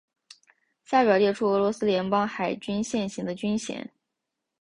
下表列出俄罗斯联邦海军现行的军衔。